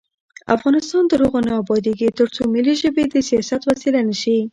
افغانستان تر هغو نه ابادیږي، ترڅو ملي ژبې د سیاست وسیله وي.